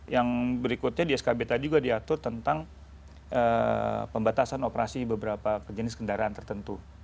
yang berikutnya di skb tadi juga diatur tentang pembatasan operasi beberapa jenis kendaraan tertentu